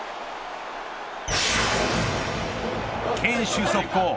堅守速攻。